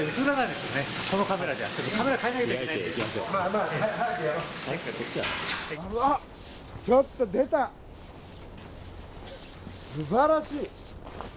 すばらしい！